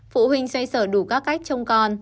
phụ huynh xoay xở đủ các cách chồng con